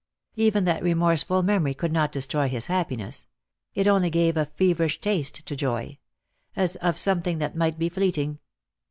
Even that remorseful memory could not destroy his happiness ; it only gave a feverish taste to joy — as of something that might be fleeting.